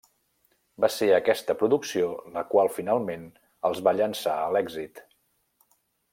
Va ser aquesta producció la qual finalment els va llançar a l'èxit.